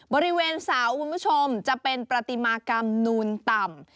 บริเวณเสาคุณผู้ชมจะเป็นประติมากรรมนูนต่ำ